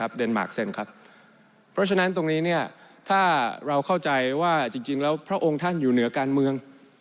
เพราะฉะนั้นตรงนี้ถ้าเราเข้าใจว่าท่านอยู่เหนือกาลเมือง